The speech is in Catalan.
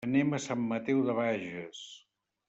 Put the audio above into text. Anem a Sant Mateu de Bages.